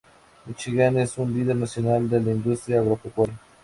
Míchigan es un líder nacional de la industria agropecuaria.